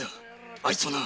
あいつをな‼